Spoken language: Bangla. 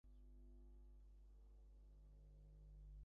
উহা আপেল বা পৃথিবীর কেন্দ্রে অবস্থিত কোন পদার্থে ছিল না।